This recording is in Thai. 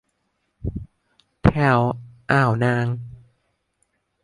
แถวอ่าวนาง